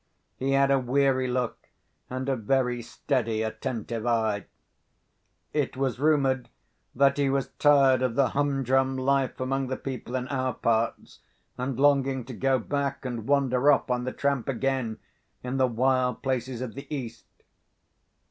He had a weary look, and a very steady, attentive eye. It was rumoured that he was tired of the humdrum life among the people in our parts, and longing to go back and wander off on the tramp again in the wild places of the East.